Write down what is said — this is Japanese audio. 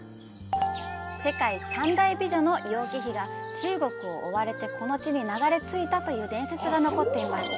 世界三大美女の楊貴妃が中国を追われてこの地に流れ着いたという伝説が残っています。